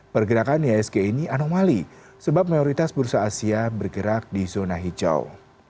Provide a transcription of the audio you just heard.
pergerakan ihsg ini anomali sebab mayoritas bursa asia bergerak di zona hijau